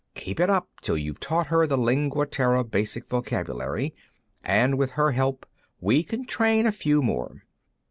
"Keep it up till you've taught her the Lingua Terra Basic vocabulary, and with her help we can train a few more.